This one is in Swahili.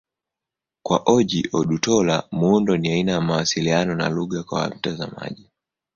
Kwa Ojih Odutola, muundo ni aina ya mawasiliano na lugha kwa mtazamaji.